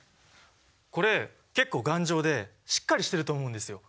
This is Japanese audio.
これ結構頑丈でしっかりしてると思うんですよ。